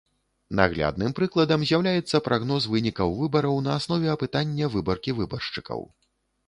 Наглядным прыкладам з'яўляецца прагноз вынікаў выбараў на аснове апытання выбаркі выбаршчыкаў.